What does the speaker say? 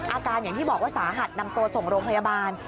อาการอย่างที่บอกว่าสาหัสนำตัวส่งโรงพยาบาล